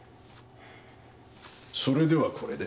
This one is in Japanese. それではこれで。